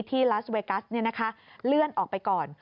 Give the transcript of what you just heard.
ลาสเวกัสเลื่อนออกไปก่อน